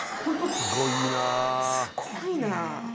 すごいなぁ。